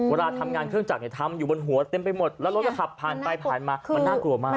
เวลาทำงานเครื่องจักรทำอยู่บนหัวเต็มไปหมดแล้วรถก็ขับผ่านไปผ่านมามันน่ากลัวมาก